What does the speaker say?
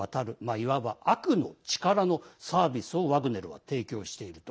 いわば悪の力のサービスをワグネルは提供していると。